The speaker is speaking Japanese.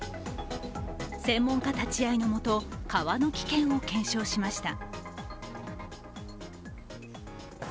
専門家立ち会いのもと川の危険を検証しました。